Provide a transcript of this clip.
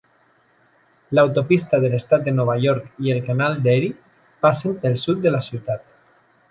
L'autopista de l'estat de Nova York i el canal d'Erie passen pel sud de la ciutat.